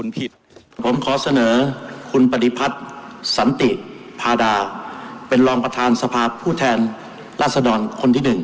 ผมขอเสนอคุณปฏิพัฒน์สันติพาดาเป็นรองประธานสภาพผู้แทนราษดรคนที่๑